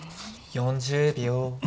４０秒。